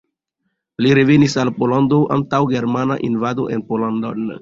Li revenis al Pollando antaŭ germana invado en Pollandon.